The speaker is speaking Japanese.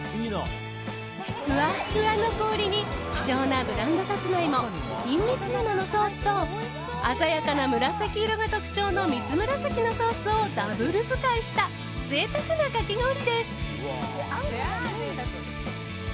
ふわっふわの氷に希少なブランドサツマイモ金蜜芋のソースと鮮やかな紫色が特徴の蜜むらさきのソースをダブル使いした贅沢なかき氷です。